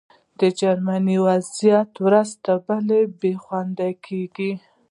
د جرمني وضعیت ورځ تر بلې بې خونده کېده